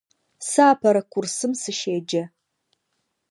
Сэ апэрэ курсым сыщеджэ.